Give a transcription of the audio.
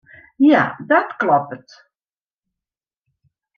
Ja, dat kloppet.